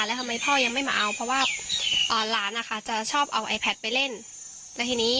แล้วทำไมพ่อยังไม่มาเอาเพราะว่าหลานจะชอบเอาไอแพทไปเล่น